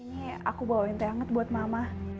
ini aku bawa teh anget buat mama